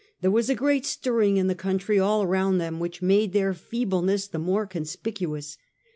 There was a great stirring in the country all around them, which made their feebleness the more conspicuous.